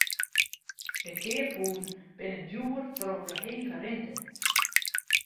De keaphuzen binne djoer troch de hege rinte.